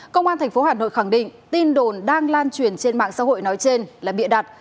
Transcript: công an tp hà nội khẳng định tin đồn đang lan truyền trên mạng xã hội nói trên là bịa đặt